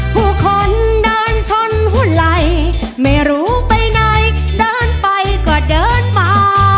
ผู้คนเดินชนหุ้นไหล่ไม่รู้ไปไหนเดินไปก็เดินมา